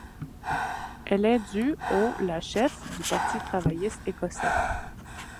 Elle est du au la chef du Parti travailliste écossais.